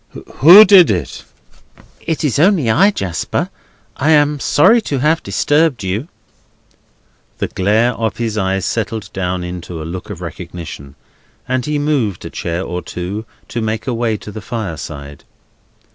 Who did it?" "It is only I, Jasper. I am sorry to have disturbed you." The glare of his eyes settled down into a look of recognition, and he moved a chair or two, to make a way to the fireside.